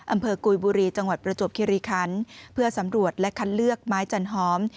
กุยบุรีจังหวัดประจวบคิริคันเพื่อสำรวจและคัดเลือกไม้จันหอม